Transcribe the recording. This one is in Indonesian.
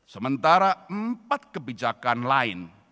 sementara empat kebijakan lain